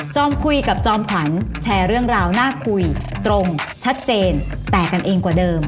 คุยกับจอมขวัญแชร์เรื่องราวน่าคุยตรงชัดเจนแตกกันเองกว่าเดิม